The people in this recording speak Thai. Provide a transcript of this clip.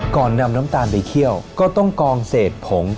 ก่อนนำน้ำตาลไปเคี่ยวก็ต้องกองเศษผง